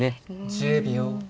１０秒。